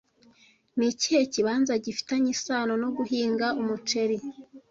Ni ikihe kibanza gifitanye isano no guhinga umuceri